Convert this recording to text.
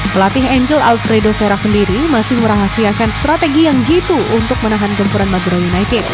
pelatih angel alfredo vera sendiri masih merahasiakan strategi yang jitu untuk menahan gempuran madura united